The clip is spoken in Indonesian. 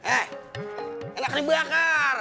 eh enak dibakar